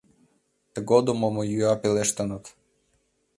Тыгодым омыюа пелештеныт: